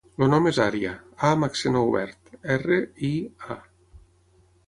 El nom és Ària: a amb accent obert, erra, i, a.